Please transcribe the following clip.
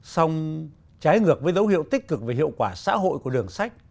xong trái ngược với dấu hiệu tích cực về hiệu quả xã hội của đường sách